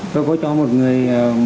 tôi có cho một người